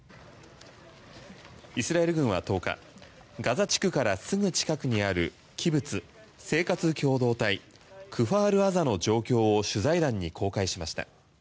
イスラエル軍は１０日ガザ地区からすぐ近くにあるキブツ、生活共同体クファール・アザの状況を取材団に公開しました。